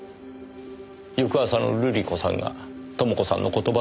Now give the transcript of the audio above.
翌朝の瑠璃子さんが朋子さんの言葉どおり